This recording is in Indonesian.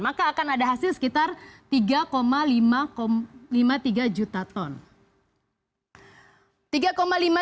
maka akan ada hasil sekitar tiga lima puluh tiga juta ton